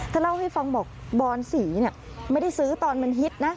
ถ้าเล่าให้ฟังมาบอกบอนสีไม่ได้ซื้อตอนมันฮิตนะ